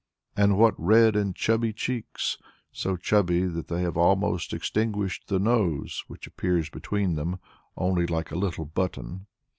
And what red and chubby cheeks, so chubby that they have almost extinguished the nose, which appears between them only like a little button!